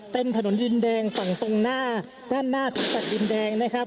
เต็มถนนดินแดงฝั่งตรงหน้าด้านหน้าสวนสัตว์ดินแดงนะครับ